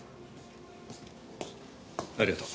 ありがとう。